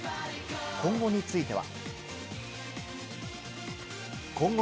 今後については。